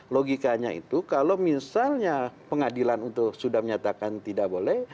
logikanya itu kalau misalnya pengadilan itu sudah menyatakan tidak boleh